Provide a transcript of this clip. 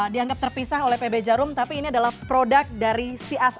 dianggap terpisah oleh pb jarum tapi ini adalah produk dari csi